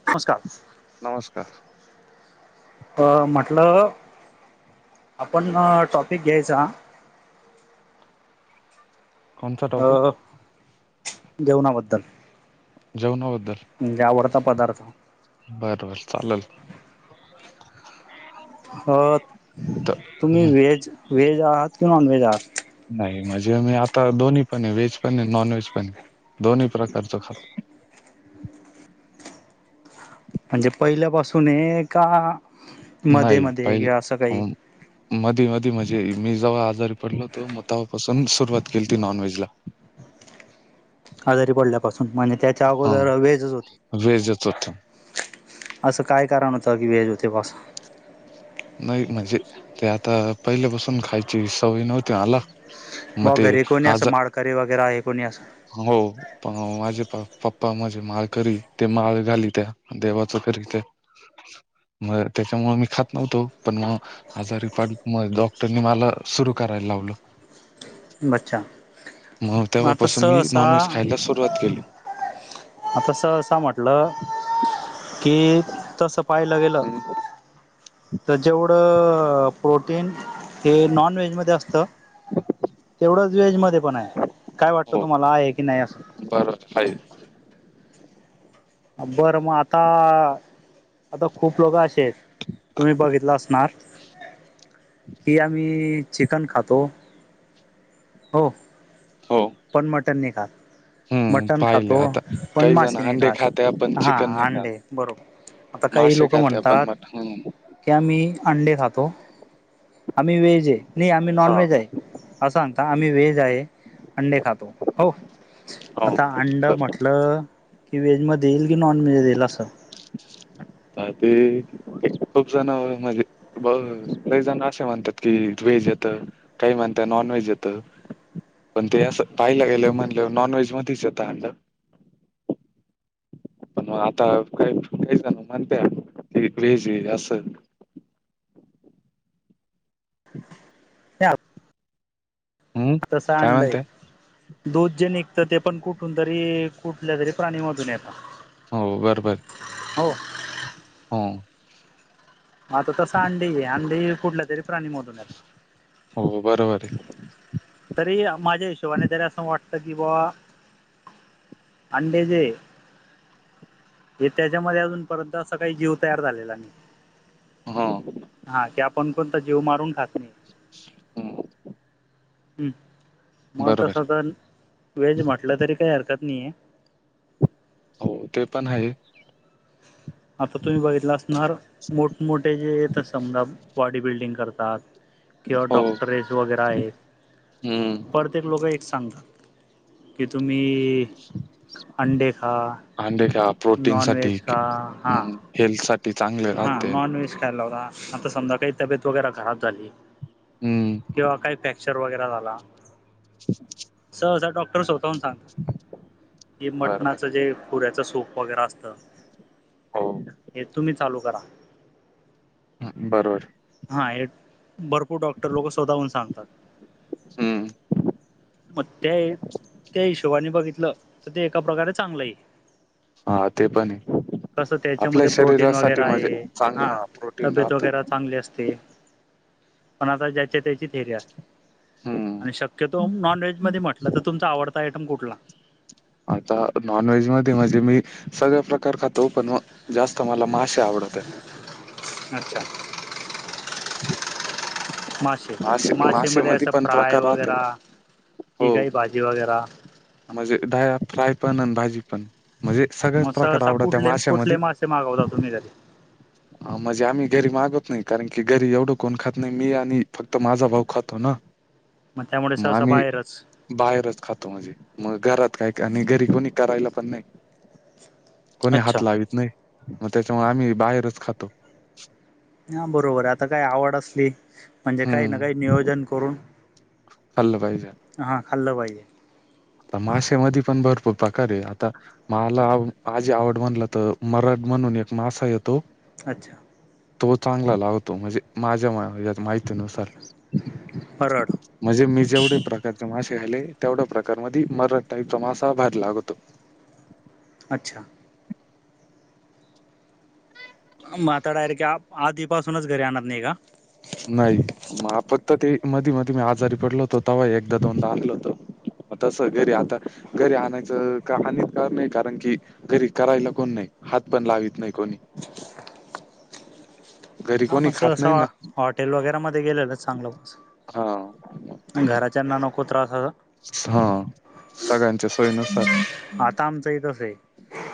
[unintelligible] नमस्कार! अ म्हटलं, आपण अ टॉपिक घ्यायचा कोणचा टॉपिक अ जेवणाबद्दल. जेवणाबद्दल म्हणजे आवडता पदार्थ बर बर चालेल. अ तर तुम्ही हम्म. व्हेज, व्हेज आहात की नॉनव्हेज आहात? नाही म्हणजे, मी आता दोन्ही पण आहे व्हेज पण आहे नॉनव्हेज पण आहे दोन्ही प्रकारचं खातो. म्हणजे पहिल्यापासून आहे का, मध्ये नाही मध्ये पहिले किंवा असं काही? अं, मधी मधी म्हणजे, मी जेव्हा आजारी पडलो होतो, मग तेव्हापासून सुरुवात केलती नॉनव्हेज ला. आजारी पडल्यापासून, म्हणजे त्याच्या हा अगोदर व्हेजच होते. व्हेजच होतो. असं काय कारण होतं की, व्हेज हे ते बस नाही म्हणजे, ते आता पहिल्यापासून खायची सवय नव्हती आला. भाव घरी कोणी असं माळकरी वगैरे आहे कोणी असं? हो पण माझे पप्पा माझे माळकरी आहेत, ते माळ घालीत्या देवाचं करीते. [inaudible] मर त्याच्यामुळे मी खात नव्हतो, पण मग आजारीपा डॉक्टरनी मला सुरू करायला लावलं. बच्छा मग तेव्हापासून मी नॉनव्हेज खायला सुरुवात केली. आता सहसा म्हटलं की तस पाहायला गेलं हम्म, तर जेवढं प्रोटीन हे नॉन व्हेजमध्ये असतं. तेवढंच व्हेज मध्ये पण आहे काय वाटतं हो तुम्हाला आहे की नाही असं [unintelligible] बरं मग आता आता खूप लोक असे आहेत. तुम्ही बघितलं असणार की आम्ही चिकन खातो हो. हो. पण मटण नाही खात. हम्म मटण पाहिले खातो आता पण काही जण मासे नाही अंडे खाते पण खात हा चिकन नाही खात अंडे बरोबर. आता काही मासे लोक खाते आपण म्हणतात मट की आम्ही अंडे खातो. आम्ही वेज आहे. नाही आम्ही नॉन हा व्हेज आहे. अस सांगता आम्ही व्हेज आहे. अंडे खातो. हो हो आता अंड बर म्हटलं की व्हेज मध्ये येईल की नॉन व्हेजध्ये येईल असं? तर ते खूप जण म्हणजे लय जण असे म्हणतात की व्हेज येत काही म्हणता नॉनव्हेज येतं. पण ते असं पाहियला गेलं म्हणलं नॉन व्हेज मध्येच येतं अंड. मग आता काहीजण म्हणतात की व्हेज आहे असं. [unintelligible] हम्म तसं काय अंड आहे. म्हणताय दूध जे निघत ते पण कुठून तरी कुठल्या तरी प्राणीमधून येत. हो बरोबर. हो. हा. आता तस अंडी आहे. अंडी कुठल्या तरी प्राणीमधून येतात. हो बरोबर आहे. तरी माझ्या हिशोबाने तरी असं वाटत कि बॉ अंडे जे आहे. हे त्याच्यामध्ये अजूनपर्यंत असा काही जीव तयार झालेला नाही. हा. हा की आपण कोणता जीव मारून खात नाही. हम्म. मग बरोबर तसं तर व्हेज म्हटलं तरी काही हरकत नाही आहे. हो ते पण आहे. आता तुम्ही बघितलं असणार मोठमोठे जेे समजा बॉडी बिल्डिंग करतात. किंवा हो डॉक्टरेस वगैरे आहे हम्म पर प्रत्येक लोक एक सांगतात की तुम्ही अंडे खा. अं का प्रोटीन साठी् नॉनव्हेज खा हा हेल्थ सा हा नॉन वेज खायला होता. आता समजा काही तब्येत वगैरे घरात झाली हम्म किंवा काही अर वगैरे वगैरे झाला तर डॉक्टर स्वत सांग की बरोबर मटणाचं जे पुऱ्याच सूप वगैरे असत. हो हे तुम्ही चालू करा. बरोबर. हा हे भरपूर डॉक्टर लोक शोधावून सांगतात. हम्म मग त्या त्या हिशोबाने बघितलं तर ते एका प्रकारे चांगलं आहेत. हा ते पण आहे कसं आपल्या त्याच्यामध्ये प्रोटीन शरीरासाठी वगैरे म्हणजे आहे चांगलं हा प्रोटीन तब्येत राहतं वगैरा चांगली अस ते पण आता ज्याच्या त्याची थेरी असते हा आणि शक्यतो नॉन व्हेज मध्ये म्हटलं तर तुमचा आवडता आयटम कुठला? आता नॉन व्हेज मध्ये म्हणजे मी सगळं प्रकार खातो पण जास्त मला माशे आवडत्या अच्छा हम माशे माशेमध्ये असं पण फ्राय प्रकार राहते वगैरा हो की काही भाजी वगैरा म्हणजे डा फ्राय पण आणि भाजी पण म्हणजे सगळेच प्रकार आवडत्या माश्यामध्ये ते मागवला तुम्ही कधी [inaudible] म्हणजे आम्ही घरी मागवत नाही कारण की घरी एवढं कोण खात नाही मी आणि फक्त माझा भाऊ खातो ना मग त्यामुळे सहसा बाहेरच बाहेरच खातो म्हणजे मग घरात काय आणि घरी कोणी करायला पण नाही कोणी अच्छा हात लावीत नाही मग त्याच्यामुळे आम्ही बाहेरच खातो हा बरोबर आहे आता काही आवड असली म्हणजे काही ना काही हम्म नियोजन करून खाल्लं पाहिजे. हां खाल्लं पाहिेजे माशामध्ये पण भरपूर प्रकार आहे आता मला माझी आवड म्हणलं तर मरड म्हणून एक मासा येतो अच्छा तो चांगला लावतो म्हणजे माझ्या माहितीनुसार बरोबर म्हणजे मी जेवढे प्रकारचे मासे खाल्ले तेवढ्या प्रकार मधी मरड टाईपचा मासा भारी लागतो. अच्छा मं आता डायरेक्ट आधीपासूनच घरी आणत नाही का? नाही मग फक्त ते मधी मधी मी आजारी पडलो होतो तव्हा एकदा दोनदा आणलं होतं म तसं घरी आता घरी आणायचं का आण कार नाही कारण की घरी करायला कोण नाही हात पण लावित नाही कोणी घरी हा कोणी म खात सहसा नाही ना हॉटेल वगैरा मध्ये गेलेलं चांगलं हा म घराच्यांना नको त्रास असात हा सगळ्यांच्या सोयीनुसार आता आमचं तस आहे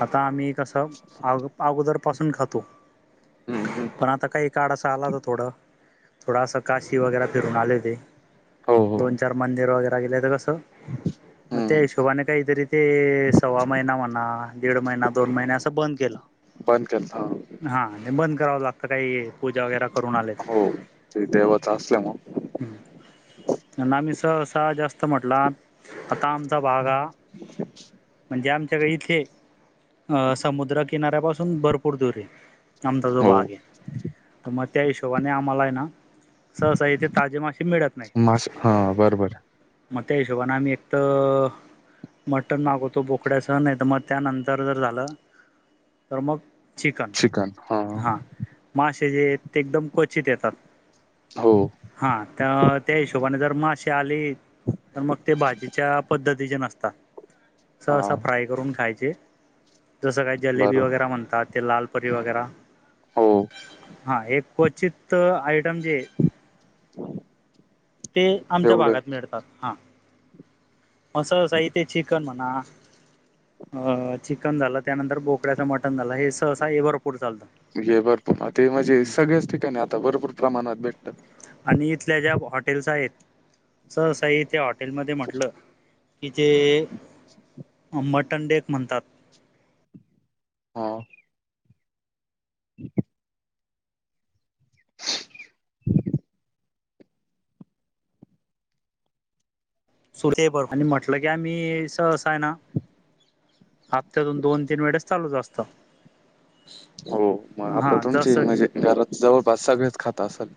आता आम्ही कसं अगोदर पासून खातो हम्म हम्म पण आता काही काड असा आला त थोडं थोडासा काशी वगैरे फिरून आले होते हो हो दोन चार मंदिर वगैरे गेले हो ते कसं मं त्या हम्म हिशोबानं काहीतरी ते सव्वा महिना म्हणा दीड महिना दोन महिने असं बंद केलं बंद केलता हा बंद करावं लागतं काही पूजा वगैरा करून आलेत हो. ते देवाचं असल्यामुळं आम्ही सहसा जास्त म्हटला आता आमचा भाग हा म्हणजे आमच्याकडे इथे अ समुद्रकिनाऱ्यापासून भरपूर दूर आहे आमचा जो भाग हो. आहे तर मग त्या हिशोबाने आम्हाला आहे ना सहसा इथे ताजे माशे मिळत मास नाहीत हां, बरोबर. मग त्या हिशोबाने आम्ही एकत मटण मागवतो बोकड्याचं नाही तर मग त्यानंतर जर झालं तर मग चिकन हां माशे जे आहेत ते एकदम क्वचित येतात हो. हा तर त्या हिशोबाने जर मशी आली. तर मग ते भाजीच्या पद्धतीचे नसतात. अस असं हां, फ्राय करून खायचे जसं काही जलेबी बरोबर. वगैरे म्हणतात. ते लालपरी वगैरे हो, हा एक क्वचित आयटम जे ते आमच्या तेवढं भागात मिळतात हा. मसाला साहित चिकन म्हणा. अ चिकन झालं त्यानंतर बोकड्याच मटण झालं हे सहसा हे भरपूर चालत. हे भरपूर ते म्हणजे सगळ्याच ठिकाणी आता भरपूर प्रमाणात भेटतात. आणि इथल्या ज्या हॉटेल्स आहेत स सई त्या हॉटेलमध्येध्ये म्हटलं. इथे. [unintelligible] मटन डेक म्हणतात. हा. हम्. सुर ब म्हटलं की आम्ही असं आहे ना हप्त्यातून दोन तीन वेळेस चालू जा असत हो मग आता तुमची जसं की म्हणजे घरात जवळपास सगळेच खाता असेल.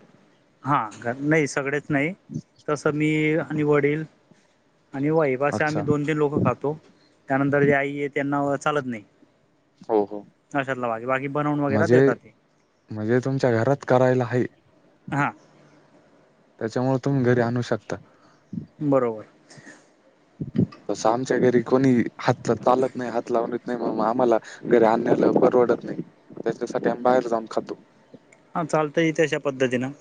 हा नाही सगळेच नाही तसं मी आणि वडील. आणि वईप अस आम्ही अच्छा. दोन तीन लोकं खातो त्यानंतर जे आई आहे त्यांना चालत नाही. हो, हो. अशातला बाकीे बाकी बनवून वगैरे म्हणजे देतात ते. म्हणजे तुमच्या घरात करायला आहे. हा. त्याच्यामुळे तुम्ही घरी आणू शकता. बरोबर. तस आमच्या घरी कोणी हात चालत नाही हात लावून. नाही मगग आम्हाला घरी आणण्यायला परवडत नाही त्याच्यासाठी आम्ही बाहेर जाऊन खातो. हा चालतयथ अशा पद्धतीनं.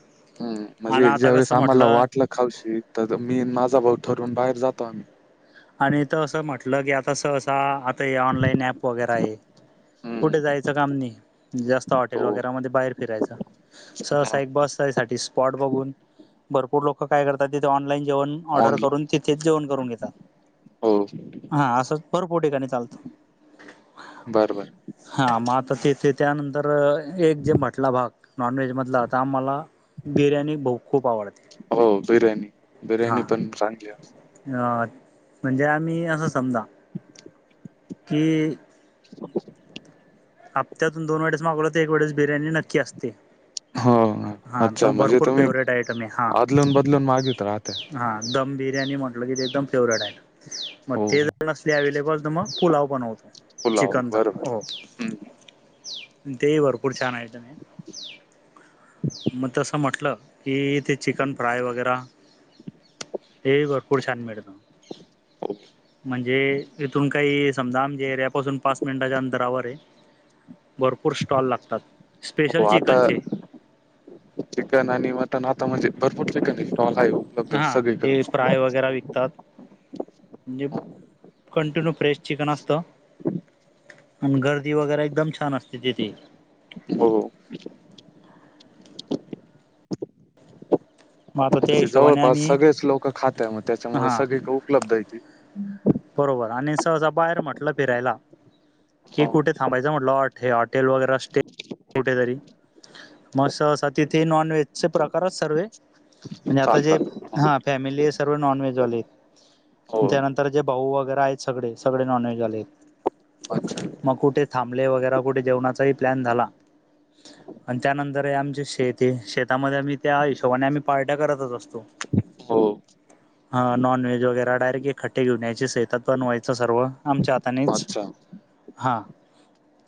हम्म आणि म्हणजे ज्या आता वेळेस कसं आम्हाला म्हटलं वाटलं खावशी तर मी माझा भाऊ ठरवून बाहेर जातो आम्ही. आणि त असं म्हटलं की आता सं आता हे ऑनलाईन ऍप वगैरे आहे हम्म कुठे जायचं. काम नाही जास्त हॉटेल हो वगैरे म बाहेर फिरायचं. ससा एक बस साठी स्पॉट बघून भरपूर लोक काय करतात तिथे ऑनलाईन जेवण. ऑन ऑर्डर करून तिथेच जेवण करून घेतात. हो. हा असं भरपूर ठिकाणी चालत बर बर हा मग आता ते ते. त्यानंतर एक जे म्हटला भाग नॉनव्हेजमधला तर आम्हाला. बिर्याणी ब खूप आवडते हो बिर्याणी बिर्याणी पण. [unintelligible] अ म्हणजे आम्ही असं समजा. की. [unintelligible] हप्त्यातूनोनेळेस मागवो तर एक वेळेस बिर्याणी नक्की असते. हो हा अच्छा तो म्हणजे भरपूर तुम्ही फेवरेट आयटम आदलून बदलून मागत राहते. हां दम बिर्याणी म्हटलं की ते एकदम फेवरेट आहे. मग हो ते हो. जर असले अवे्लेबल तर मग पुलाव बनवतो पुलाव चिकनचा बरोबर हम्म अ ते भरपूर छान आऐट नाही. [unintelligible] मग तसं म्हटलं की ते चिकन फ्राय वगैरे. हे भरपूर छान मिळत. हो. म्हणजे इथूंन कांहीं समजां आमच्या एरिऱ्यापासूंन पांच मिनटांच्या अंतरावर आहे भरंपूर स्टॉल लागतांत स्पेशल चिकनचे चिकंन आणि मटंन आतां म्हणजे भरंपूर चिकंन आहे स्टॉल आहेत हां ते फिश फ्राय वगैरें विकतांत म्हणजे कंटिन्यू फ्रेश चिकंन असतं पणं गर्दी वगैरें एकदंम छान असतें तिथे हो हां मग आता आंपल त्या त्यां हिशोबाने जवळपांस आम्ही सगळेचं लोकं खात्यात मंग त्यांच्यामुळे हा सगळीं कडे उपलब्ध आहेतं ते बरोबर आणि सहजां बाहेर म्हटलं फिरायलां की हो कुठे थांबायचं म्हटलं अट हे हॉटेलं वगैरें असे कुठेतरी मसं असां तिथे नॉन व्हेजचे प्रकारचं सर्व म्हणजे आतां जे चालतात हां फॅमिली हे सर्व नॉन व्हेजवाले हो त्यांनंतर जे भाऊ वगैरें आहेतं सगळें सगळें नॉनव्हेजं वांले आहेतं अच्छा मंग कुठे थांबले वगैरें कुठे जेवणांचा प्लॅन झांलां आणि त्यांनंतर ते आमचें शेत आहे शेतांमध्ये आम्हीं त्यां हिशोबांने आम्हीं पार्ट्या करतंच असतों हो हां नॉन व्हेज वगैरें डायरेक्टं एक खट्टे घेऊन यांयचे शेतांतून बणं व्हायचं सर्व आमच्यां अच्छा हातांनेचं हां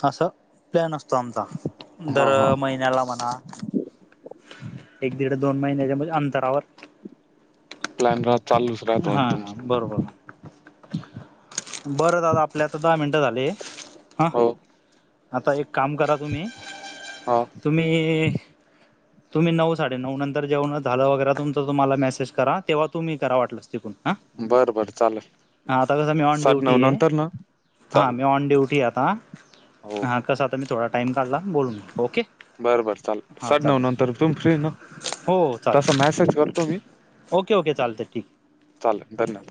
असं प्लॅन असतों आमचां हा दर हा महिन्यांला म्हणां एक दीड दोन महिन्यांच्या म्हणजे अंतरावर प्लॅन राह चालूचं राहतं मंग तुमचं बरोंबर बरं दादा आपले आतां दहा मिनटं झाले हां हो आतां एक कामं करां तुम्हीं हो तुम्हीं तुम्हीं नऊ साडे नऊ नंतर जेवणं झालं वगैरें तुमचं तुम्हांला मेसेज करां तेंव्हा तुम्हीं करां वाटलंस तिथून हं बरं बरं चालेलं हां आता कसं मी ऑन ड्युटी आहे हां चाल मी ऑन ड्युटी आहे हो आतां हां कसां आतां मी थोडां टाईम काढलां बोलतु ओके बरं बरं चाललं हां सात नऊ चालेल नंतर तुम्हीं फ्री नां हो चालेल तसां मेसेज करतों मी ओके ओक चालतें ठीकं चालेलं बरं